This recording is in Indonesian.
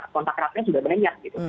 kontak rapnya sudah berenyak